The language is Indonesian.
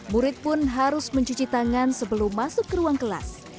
murid pun harus mencuci tangan sebelum masuk ke ruang kelas